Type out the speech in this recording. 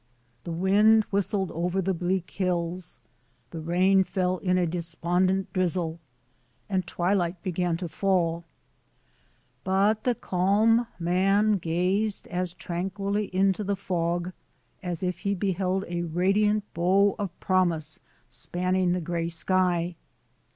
The wind whistled over the bleak hills; the rain fell in a despondent drizzle, and twilight began Digitized by VjOOQ IC 148 BRONSON ALCOTT'S FRUITLANDS to fall. But the calm man gazed as tranquilly into the fog as if he beheld a radiant bow of promise spanning the gray sky.